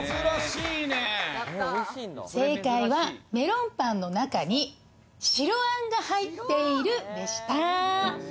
正解はメロンパンの中に白あんが入っているでした。